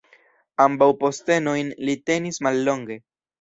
Ambaŭ postenojn li tenis mallonge.